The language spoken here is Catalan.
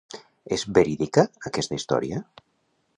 És verídica aquesta història?